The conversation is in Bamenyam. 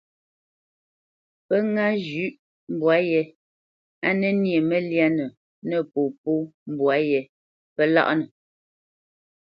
Pə́ ŋâ zhʉ̌ʼ mbwǎ yé á nə nyê məlyánə nə popó mbwǎ yé, pə́ láʼnə.